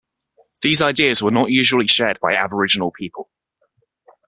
These ideas were not usually shared by Aboriginal people.